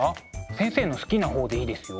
先生の好きな方でいいですよ。